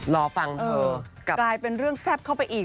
รอฟังเธอกลับกลายเป็นเรื่องแซ่บเข้าไปอีก